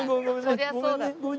そりゃそうだ。